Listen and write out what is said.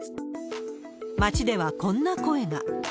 街では、こんな声が。